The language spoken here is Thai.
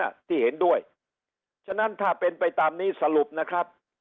ที่เห็นด้วยฉะนั้นถ้าเป็นไปตามนี้สรุปนะครับ